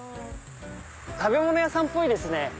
食べ物屋さんっぽいですね。